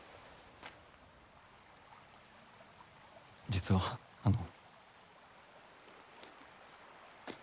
実はあの。